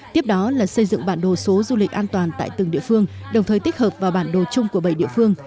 tiếp đó là xây dựng bản đồ số du lịch an toàn tại từng địa phương đồng thời tích hợp vào bản đồ chung của bảy địa phương